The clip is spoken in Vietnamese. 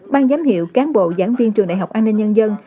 ban giám hiệu cán bộ giảng viên trường đại học an ninh nhân dân